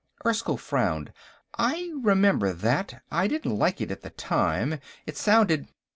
'" Erskyll frowned. "I remember that. I didn't like it, at the time. It sounded...."